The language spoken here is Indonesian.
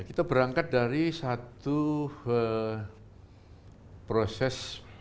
kita berangkat dari satu proses